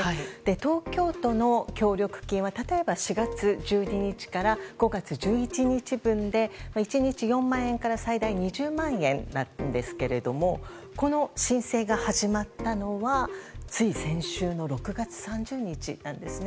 東京都の協力金は例えば４月１２日から５月１１日分で、１日４万円から最大２０万円だったんですけれどこの申請が始まったのはつい先週の６月３０日なんですね。